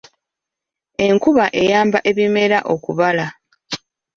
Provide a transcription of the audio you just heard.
Enkuba eyamba ebimera okubala.